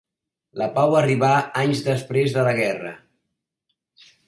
La pau va arribar anys després de la guerra.